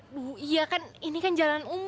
ibu iya kan ini kan jalan umum